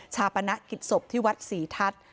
ปณะกิจศพที่วัดศรีทัศน์